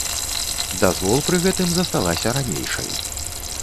Дазвол пры гэтым засталася ранейшай.